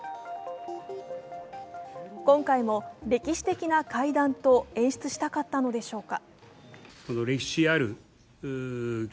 今回も歴史的な会談と演出したかったのでしょうか。